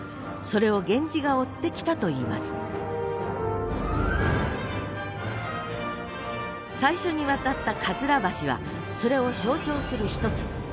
それを源氏が追ってきたといいます最初に渡ったかずら橋はそれを象徴する一つ。